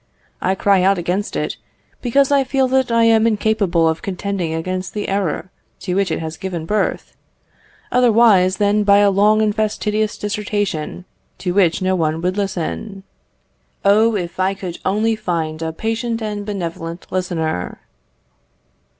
I cry out against it, because I feel that I am incapable of contending against the error to which it has given birth, otherwise than by a long and fastidious dissertation to which no one would listen. Oh! if I could only find a patient and benevolent listener!